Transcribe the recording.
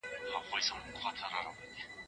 که موږ پخواني عقايد مطالعه کړو نو حقيقت به ومومو.